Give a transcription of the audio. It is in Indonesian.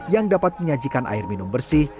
yang dapat menyajikan air minum bersih